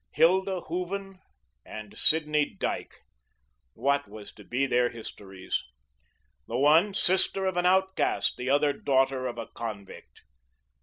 Hilda Hooven and Sidney Dyke, what was to be their histories? the one, sister of an outcast; the other, daughter of a convict.